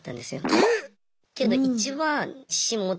えっ！